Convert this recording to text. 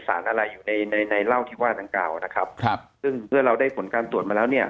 สารอะไรอยู่ในในเหล้าที่ว่าดังกล่าวนะครับครับซึ่งเมื่อเราได้ผลการตรวจมาแล้วเนี่ย